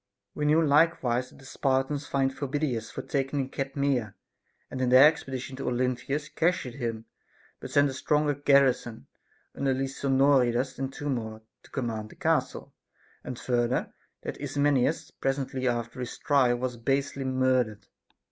We knew likewise that the Spartans fined Phoebidas for taking 380 A DISCOURSE CONCERNING the Cadmea, and in their expedition to Olynthus cashiered him ; but sent a stronger garrison, under Lysinoridas and two more, to command the castle ; and further, that Isnie nias presently after his trial was basely murdered.